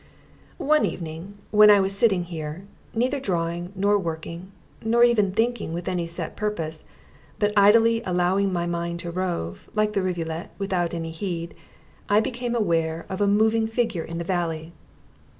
One evening when I was sitting here, neither drawing, nor working, nor even thinking with any set purpose, but idly allowing my mind to rove, like the rivulet, without any heed, I became aware of a moving figure in the valley.